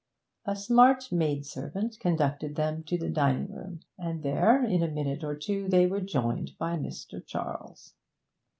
A smart maidservant conducted them to the dining room, and there, in a minute or two, they were joined by Mr. Charles.